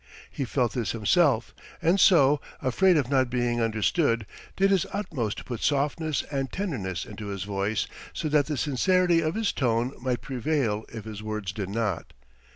He felt this himself, and so, afraid of not being understood, did his utmost to put softness and tenderness into his voice so that the sincerity of his tone might prevail if his words did not.